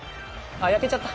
あっやけちゃった。